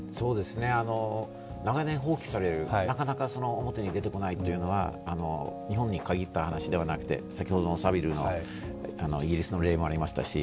長年放棄されるなかなか表に出てこないというのは日本に限った話ではなくて、サビルのイギリスの例もありましたし